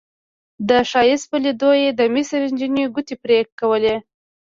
د ښایست په لیدو یې د مصر نجونو ګوتې پرې کولې.